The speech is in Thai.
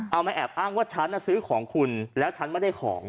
เอามาแอบอ้างว่าฉันซื้อของคุณแล้วฉันไม่ได้ของ